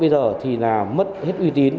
bây giờ thì là mất hết uy tín